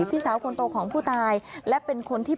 พี่สาวคนโตของผู้ตายและเป็นคนที่